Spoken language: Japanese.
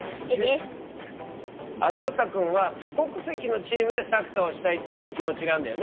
アダルサくんは多国籍のチームでサッカーをしたいっていう気持ちがあんだよね。